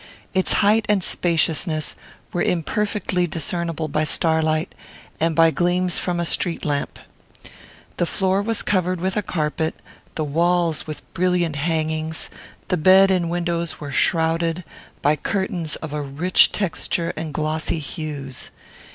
Its height and spaciousness were imperfectly discernible by starlight, and by gleams from a street lamp. The floor was covered with a carpet, the walls with brilliant hangings; the bed and windows were shrouded by curtains of a rich texture and glossy hues.